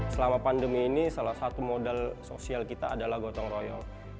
selama pandemi ini salah satu modal sosial kita adalah gotong royong